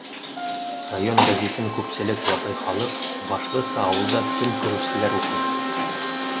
Район гәзитен күпселек ябай халыҡ, башлыса ауылда көн күреүселәр уҡый.